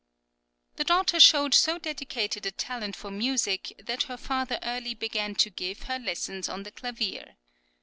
The daughter showed so decided a talent for music, that her father early began to give, her lessons on the clavier.